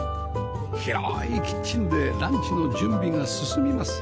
広いキッチンでランチの準備が進みます